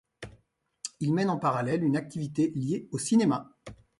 Il mène en parallèle une activité liée au cinéma.